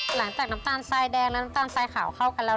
น้ำตาลทรายแดงและน้ำตาลทรายขาวเข้ากันแล้ว